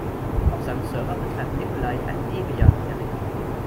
Auf seinem Server betreibt Nikolai ein Debian-Derivat.